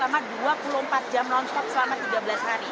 tapi ini juga dibuka selama dua puluh empat jam non stop selama tiga belas hari